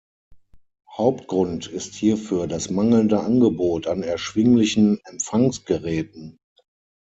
Hauptgrund ist hierfür das mangelnde Angebot an erschwinglichen Empfangsgeräten.